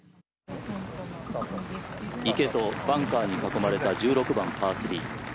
池とバンカーに囲まれた１６番、パー３。